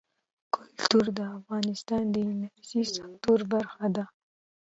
کلتور د افغانستان د انرژۍ سکتور برخه ده.